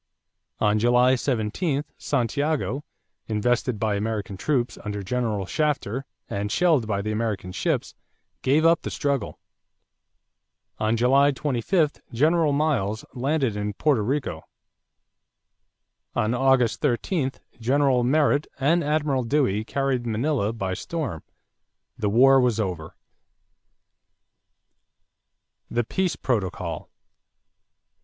On July 17, Santiago, invested by American troops under General Shafter and shelled by the American ships, gave up the struggle. On July 25 General Miles landed in Porto Rico. On August 13, General Merritt and Admiral Dewey carried Manila by storm. The war was over. =The Peace Protocol.